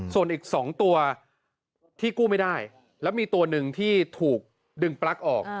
ส่วนอีก๒ตัวที่กู้ไม่ได้แล้วมีตัวหนึ่งที่ถูกดึงปลั๊กออก